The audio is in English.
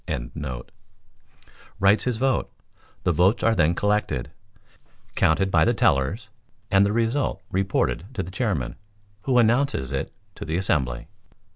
] writes his vote; the votes are then collected, counted by the tellers, and the result reported to the Chairman, who announces it to the assembly.